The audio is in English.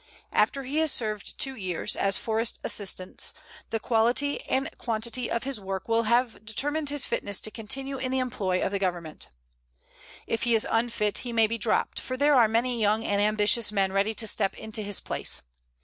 After he has served two years as Forest Assistant the quality and quantity of his work will have determined his fitness to continue in the employ of the Government. If he is unfit he may be dropped, for there are many young and ambitious men ready to step into his place.